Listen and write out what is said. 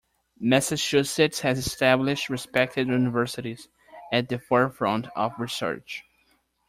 Massachusetts has established respected universities at the forefront of research.